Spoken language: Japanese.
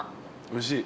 おいしい？